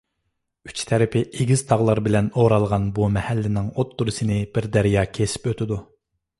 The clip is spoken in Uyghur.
ئۈچ تەرىپى ئېگىز تاغلار بىلەن ئورالغان بۇ مەھەللىنىڭ ئوتتۇرىسىنى بىر دەريا كېسىپ ئۆتىدۇ.